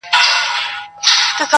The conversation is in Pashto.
ستا موسکي موسکي نظر کي ,